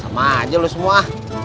sama aja lo semua